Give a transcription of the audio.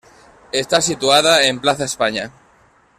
Está situada en Plaza España.